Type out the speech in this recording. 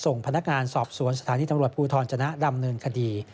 ส่งพนักงานสอบสวนสถานีตำรวจภูทรจนะดำเนินคดี